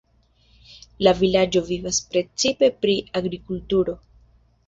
La vilaĝo vivas precipe pri agrikulturo.